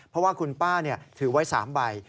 เพราะว่าคุณป้าถือไว้๓ใบ